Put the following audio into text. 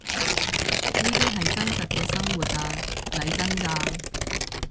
呢啲係真實嘅生活呀，嚟真㗎